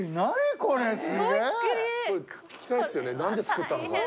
これ聞きたいですよね何で造ったのか。